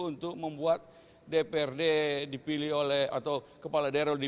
untuk membuat dprd